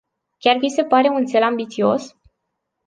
Chiar vi se pare un țel ambițios?